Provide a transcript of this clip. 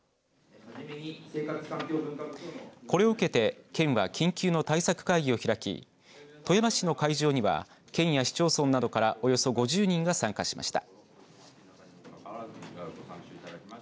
これを受けて県は緊急の対策会議を開き富山市の会場には県や市町村などからおよそ５０人が参加しました。